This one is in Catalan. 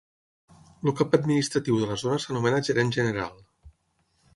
El cap administratiu de la zona s'anomena Gerent General.